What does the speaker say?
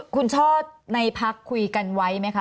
คุณช่อในพักคุยกันไว้ไหมคะ